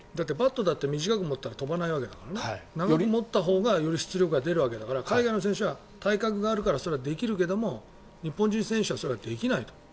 バットだって短く持ったら飛ばないからより長く持ったほうが出力が出るわけだから海外の選手は体格があるからそれができるけど日本人選手はそれができないと。